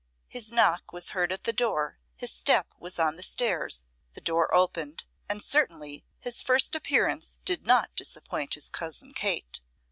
His knock was heard at the door, his step was on the stairs, the door opened, and certainly his first appearance did not disappoint his cousin Kate.